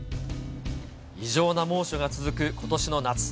異常な猛暑が続くことしの夏。